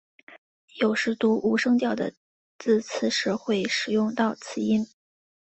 有时读无声调的字词时会使用到此音。